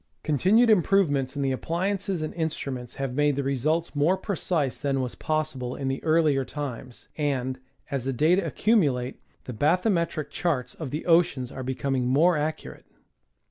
Continued improve , ments in the appliances and instruments have made the results more precise than was possible in the earlier times, and, as the data accumulate, the bathymetric charts of the oceans are be comins: more accurate.